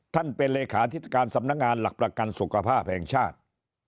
ท่านเป็นเลขาธิการสำนักงานหลักประกันสุขภาพแห่งชาติ